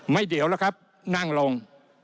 เดียวแล้วครับนั่งลง